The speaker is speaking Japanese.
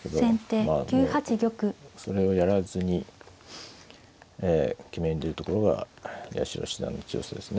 まあもうそれをやらずに決めに出るところが八代七段の強さですね。